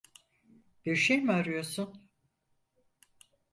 Bir şey mi arıyorsun?